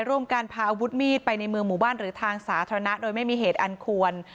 ร่วมกันพาอาวุธมีดไปในเมืองหมู่บ้านหรือทางสาธารณะโดยไม่มีเหตุอันควร